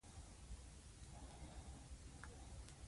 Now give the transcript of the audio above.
د چلند لپاره قوانین وټاکل شي.